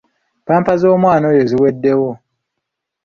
Ppampa z'omwana oyo ziweddewo.